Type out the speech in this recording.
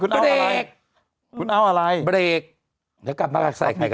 คุณเอาอะไรบะเดก